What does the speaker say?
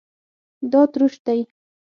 دا تروش دی